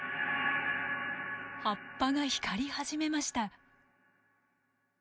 葉っぱが光り始めました。